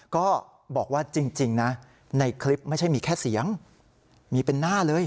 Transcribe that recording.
ก็บอกว่าจริงนะในคลิปไม่ใช่มีแค่เสียงมีเป็นหน้าเลย